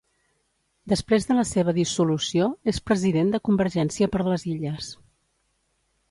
Després de la seva dissolució és President de Convergència per les Illes.